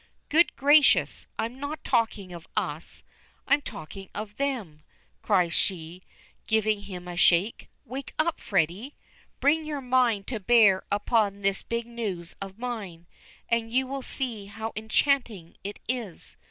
"Good gracious! I'm not talking of us; I'm talking of them," cries she, giving him a shake. "Wake up, Freddy. Bring your mind to bear upon this big news of mine, and you will see how enchanting it is.